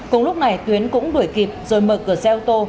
cùng lúc này tuyến cũng đuổi kịp rồi mở cửa xe ô tô